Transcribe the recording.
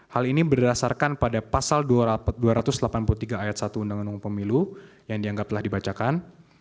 hal ini berdasarkan pada pasal dua ratus delapan puluh tiga ayat satu undang undang pemilu yang dianggap telah dibacakan